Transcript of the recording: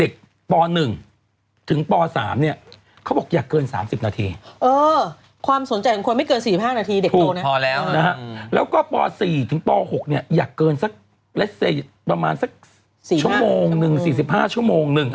คือเด็กมา๑ถึงมา๖อยากเกิน๒ชั่วโมง